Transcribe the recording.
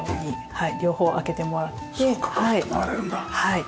はい。